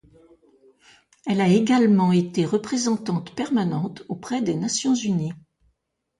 Elle a également été Représentante permanente auprès des Nations Unies.